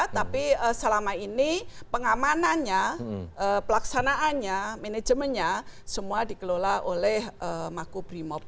tapi selama ini pengamanannya pelaksanaannya manajemennya semua dikelola oleh makubrimob